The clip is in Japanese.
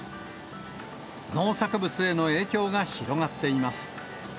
農作物への影響が広がっています。